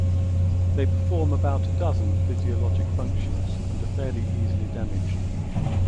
They perform about a dozen physiologic functions and are fairly easily damaged.